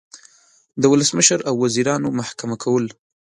د ولسمشر او وزیرانو محکمه کول